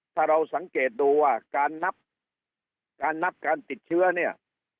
ถ้าเราสังเกตดูว่าการนับการนับการติดเชื้อเนี่ย